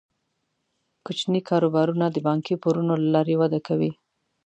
کوچني کاروبارونه د بانکي پورونو له لارې وده کوي.